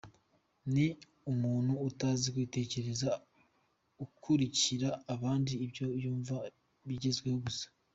ni umuntu utazi kwitekerereza ukurikira abandi nibyo yumva bigezweho gusa.